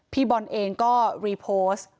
พี่บอลเองก็รีโพสต์